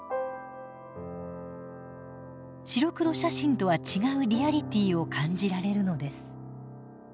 白黒写真とは違うリアリティーを感じられるのです。